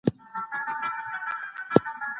هیڅوک حق نه لري چي د بل چا بانکي حساب خلاص کړي.